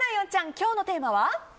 今日のテーマは？